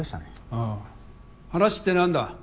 ああ話って何だ？